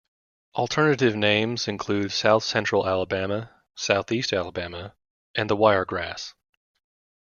Alternative names include South Central Alabama, Southeast Alabama, and the Wiregrass.